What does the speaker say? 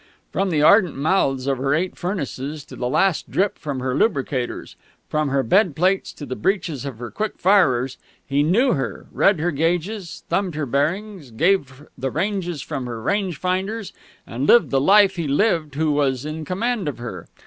From the ardent mouths of her eight furnaces to the last drip from her lubricators, from her bed plates to the breeches of her quick firers, he knew her read her gauges, thumbed her bearings, gave the ranges from her range finders, and lived the life he lived who was in command of her.